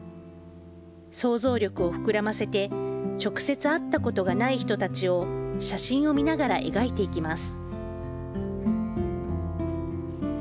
想像力を膨らませて、直接会ったことがない人たちを、写真を見ながら描いていきます。